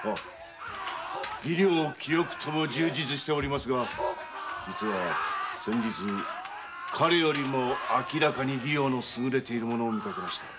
技量気力とも充実しておりますが実は先日彼よりも明らかに技量の勝れている者をみかけました。